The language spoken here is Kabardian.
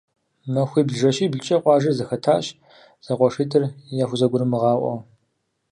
Махуибл-жэщиблкӏэ къуажэр зэхэтащ, зэкъуэшитӏыр яхузэгурымыгъаӏуэу.